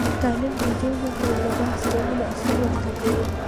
تعلیم نجونو ته د بحث کولو اصول ور زده کوي.